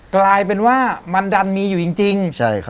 กลายเป็นว่ามันดันมีอยู่จริง